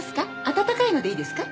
温かいのでいいですか？